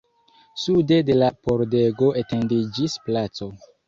Sude de la pordego etendiĝis placo.